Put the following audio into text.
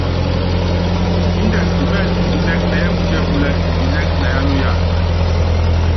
Indɛ́ imɛ́ɛlɛ́ indinɛ́k nɛ yɛ́pútíɛ́púlɛ́ indinɛ́k na yá nuyá ?